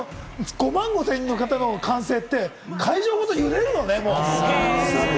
５万５０００人の方の歓声って会場ごと揺れるのね。